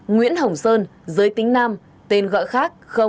ba nguyễn hồng sơn giới tính năm tên gọi khác